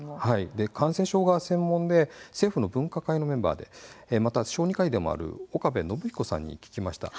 感染症が専門で政府の分科会のメンバーでもある小児科医の岡部信彦さんに聞きました。